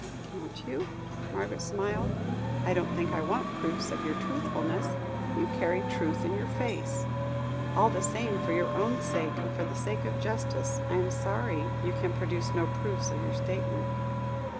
"Can't you?" Margaret smiled. "I don't think I want proofs of your truthfulness; you carry truth in your face. All the same, for your own sake, and for the sake of justice, I am sorry you can produce no proofs of your statement."